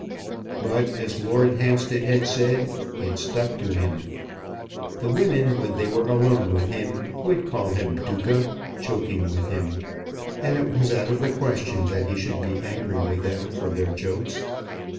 But, as Lord Hampstead had said, "it stuck to him." The women when they were alone with him would call him Duca, joking with him; and it was out of the question that he should be angry with them for their jokes.